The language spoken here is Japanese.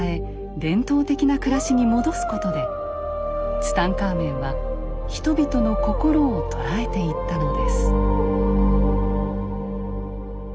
伝統的な暮らしに戻すことでツタンカーメンは人々の心を捉えていったのです。